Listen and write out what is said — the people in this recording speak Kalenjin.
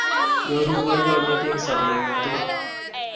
Nyoru boiboiyet eng sopengung tugul